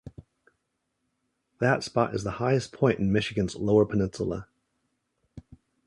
That spot is the highest point in Michigan's Lower Peninsula.